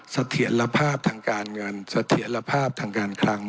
เสถียรภาพทางการเงินเสถียรภาพทางการคลัง